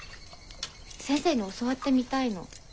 先生に教わってみたいの。